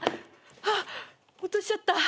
ああ落としちゃった。